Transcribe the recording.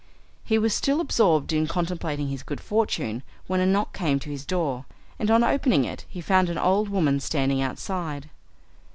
He was still absorbed in contemplating his good fortune, when a knock came to his door, and on opening it he found an old woman standing outside.